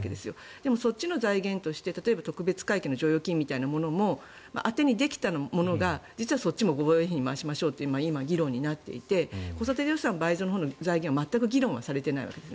でもそっちの財源として特別会計の剰余金みたいなものも当てにできたものが実はそっちも回しましょうと今、議論になっていて子育て予算倍増の議論は全くされていないわけです。